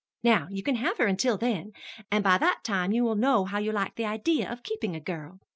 Now, you can have her until then, and by that time you will know how you like the idea of keeping a girl.